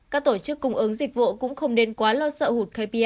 các tổ chức cung ứng dịch vụ cũng không nên quá lo sợ hụt kpr